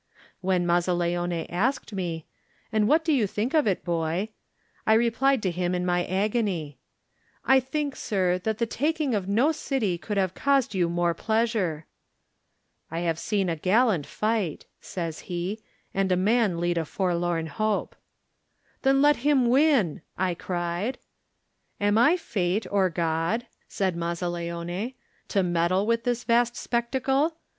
When Mazzaleone asked me, "And what do you think of it, boy?" I replied to him in my agony: "I think, sir, that the taking of no city could have caused you more pleasure." "I have seen a gallant fight," says he, "and a man lead a forlorn hope." "Then let him win," I cried. "Am I fate or God," said Mazzaleone, "to meddle with this vast spectacle?